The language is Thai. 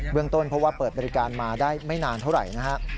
เรื่องต้นเพราะว่าเปิดบริการมาได้ไม่นานเท่าไหร่นะครับ